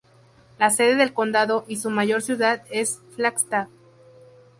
La sede del condado, y su mayor ciudad, es Flagstaff.